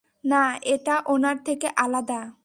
না, এটা ওটার থেকে আলাদা!